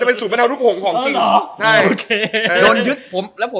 อยู่ตรงนี้นะ